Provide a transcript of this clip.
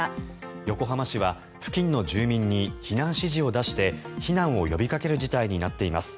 横浜市は付近の住民に避難指示を出して避難を呼びかける事態になっています。